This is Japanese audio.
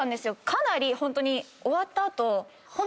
かなりホントに終わった後。